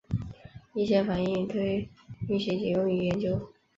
一些反应堆运行仅用于研究。